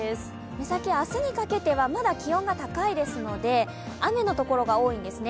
目先、明日にかけてはまだ気温が高いですので、雨のところが多いんですね。